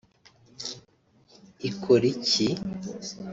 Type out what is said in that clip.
Ikora iki